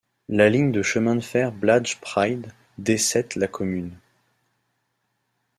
La ligne de chemin de fer Blaj-Praid desset la commune.